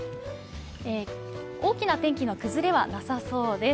大きな天気の崩れはなさそうです。